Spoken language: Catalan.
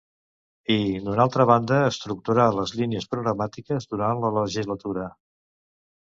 I, d’una altra banda, estructurar les línies programàtiques durant la legislatura.